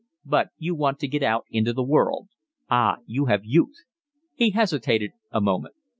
"But you want to get out into the world? Ah, you have youth." He hesitated a moment.